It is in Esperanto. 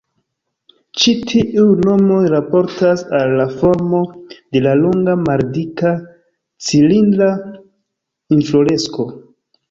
Ĉi tiuj nomoj raportas al la formo de la longa, maldika, cilindra infloresko.